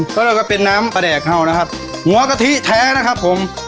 ก็เราก็เป็นน้ำปลาแดกเห่านะครับหัวกะทิแท้นะครับผม